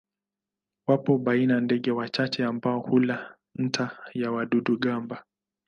Wapo baina ndege wachache ambao hula nta ya wadudu-gamba.